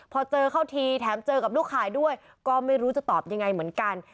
พอเจอเข้าทีแถมเจอกับลูกขายด้วยก็ไม่รู้จะตอบยังไงเหมือนกัน